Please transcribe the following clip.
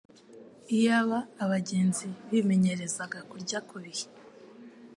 Iyaba abagenzi bimenyerezaga kurya ku bihe